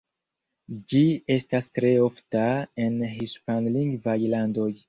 Ĝi estas tre ofta en hispanlingvaj landoj.